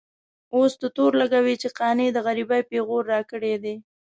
اوس ته تور لګوې چې قانع د غريبۍ پېغور راکړی دی.